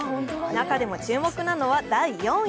中でも注目なのは、第４位。